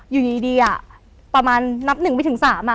อยู่ดีอ่ะประมาณนับหนึ่งไปถึงสามอ่ะ